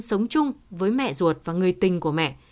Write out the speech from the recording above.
sống chung với mẹ ruột và người tình của mẹ